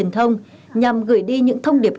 thông nhằm gửi đi những thông điệp